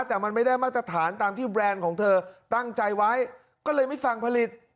แต่มันไม่ได้มาตรฐานตามที่แบรนด์ของเธอตั้งใจไว้ก็เลยไม่สั่งผลิต